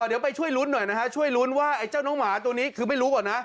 เดี๋ยวไปช่วยลุ้นหน่อยนะฮะช่วยลุ้นว่าไอ้เจ้าน้องหมาตัวนี้คือไม่รู้ก่อนนะ